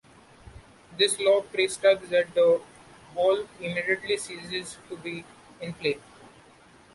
This Law prescribes that the ball immediately ceases to be in play.